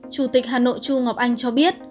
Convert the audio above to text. chủ tịch hà nội chu ngọc anh cho biết